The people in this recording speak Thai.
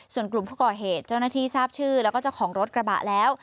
ส่วนกลุ่มผู้ก่อเหตุเจ้าหน้าที่ทราบชื่อแล้วก็เจ้าของรถกระบะแล้ว